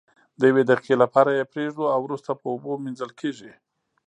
د یوې دقیقې لپاره یې پریږدو او وروسته په اوبو مینځل کیږي.